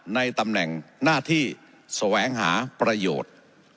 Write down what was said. ในตำแหน่งหน้าที่แสวงหาประโยชน์